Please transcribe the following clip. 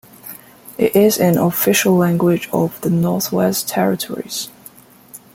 It is an official language of the Northwest Territories.